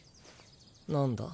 何だ？